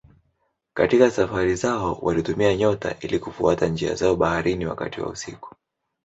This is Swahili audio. Katika safari zao walitumia nyota ili kufuata njia zao baharini wakati wa usiku.